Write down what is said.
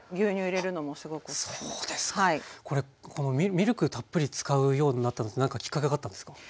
ミルクたっぷり使うようになったのって何かきっかけがあったんですか？